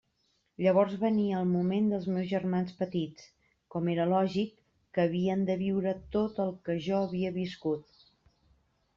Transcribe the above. Llavors venia el moment dels meus germans petits, com era lògic, que havien de viure tot el que jo havia viscut.